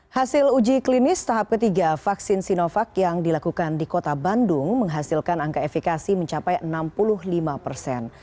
hasil uji klinis tahap ketiga vaksin sinovac yang dilakukan di kota bandung menghasilkan angka efekasi mencapai enam puluh lima persen